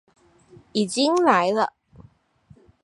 已經來了！